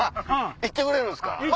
行ってくれるんですか？